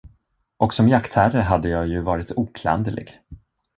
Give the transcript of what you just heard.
Och som jaktherre hade jag ju varit oklanderlig.